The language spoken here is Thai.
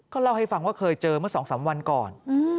เล่าให้ฟังว่าเคยเจอเมื่อ๒๓วันก่อน